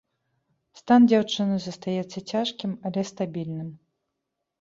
Стан дзяўчыны застаецца цяжкім, але стабільным.